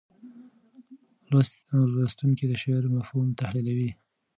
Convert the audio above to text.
لوستونکي د شعر مفهوم تحلیلوي.